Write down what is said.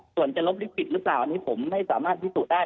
ส่วนจะลบลิขิตหรือเปล่าอันนี้ผมไม่สามารถพิสูจน์ได้